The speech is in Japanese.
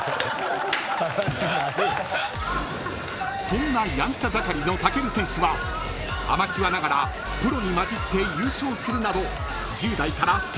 ［そんなやんちゃ盛りの武尊選手はアマチュアながらプロに交じって優勝するなど１０代から才能が開花］